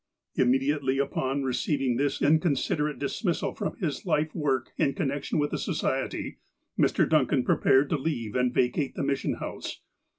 " Immediately upon receiving this inconsiderate dis missal from his life work in connection with the Society, Mr. Duncan prepared to leave and vacate the Mission House.